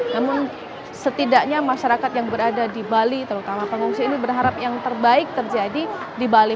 namun setidaknya masyarakat yang berada di bali terutama pengungsi ini berharap yang terbaik terjadi di bali